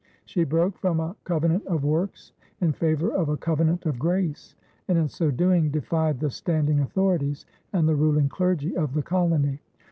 She broke from a covenant of works in favor of a covenant of grace and in so doing defied the standing authorities and the ruling clergy of the colony.